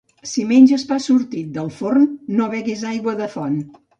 Si menges pa sortint del forn no beguis aigua de font.